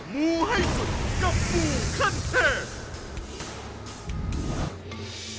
มูให้สุดกับมูขั้นเทพ